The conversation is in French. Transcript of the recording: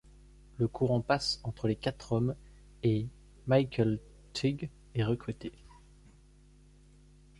Le courant passe entre les quatre hommes et Michael Tighe est recruté.